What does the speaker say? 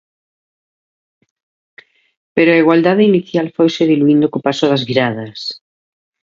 Pero a igualdade inicial foise diluíndo co paso das viradas.